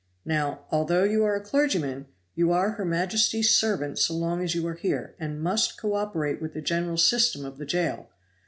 Now, although you are a clergyman, you are her majesty's servant so long as you are here, and must co operate with the general system of the jail.